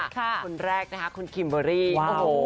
คุณแรกนะคะคุณคิมเบอรี่โอ้โห